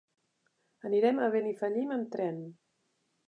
Anirem a Benifallim amb tren.